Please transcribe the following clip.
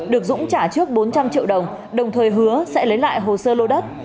được dũng trả trước bốn trăm linh triệu đồng đồng thời hứa sẽ lấy lại hồ sơ lô đất